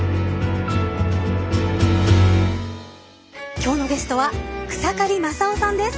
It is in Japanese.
今日のゲストは草刈正雄さんです。